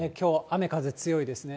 きょう、雨風強いですね。